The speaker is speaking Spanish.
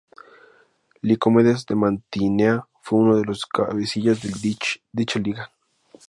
Licomedes de Mantinea fue uno de los cabecillas de dicha Liga.